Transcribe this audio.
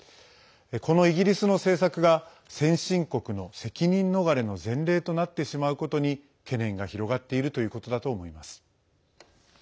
このイギリスの政策が先進国の責任逃れの前例となってしまうことに懸念が広がっているということだと思います。